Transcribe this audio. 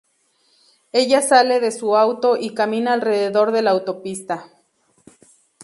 Ella sale de su auto y camina alrededor de la autopista.